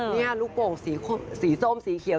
นี่ลูกโป่งสีส้มสีเขียว